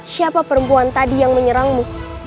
siapa perempuan tadi yang menyerangmu